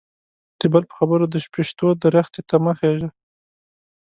د بل په خبرو د شپيشتو درختي ته مه خيژه.